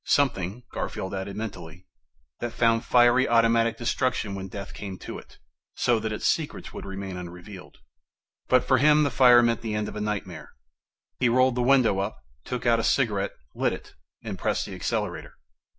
Something, Garfield added mentally, that found fiery automatic destruction when death came to it, so that its secrets would remain unrevealed. But for him the fire meant the end of a nightmare. He rolled the window up, took out a cigarette, lit it, and pressed the accelerator....